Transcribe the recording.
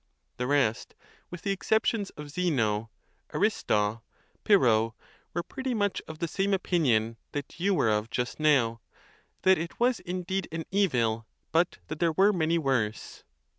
The rest, with the exceptions of Zeno, Aristo, Pyrrho, were pretty much of the same opinion that you were of just now—that it was indeed an evil, but that there were many worse.